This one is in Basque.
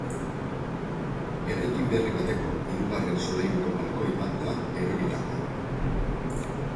Eraikin berri bateko hirugarren solairuko balkoi bat da eroritakoa.